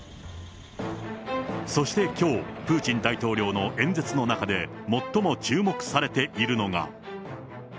そしてきょう、プーチン大統領の演説の中で最も注目されているのが。